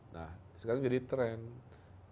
nah sekarang jadi trend